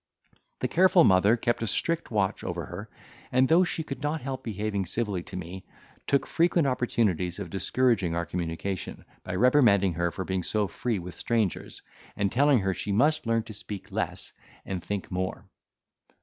The careful mother kept a strict watch over her and though she could not help behaving civilly to me, took frequent opportunities of discouraging our communication, by reprimanding her for being so free with strangers, and telling her she must learn to speak less and think more.